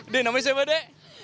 de namanya siapa de